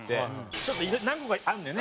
ちょっと何個かあるんだよね